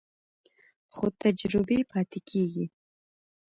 خو تجربې پاتې کېږي.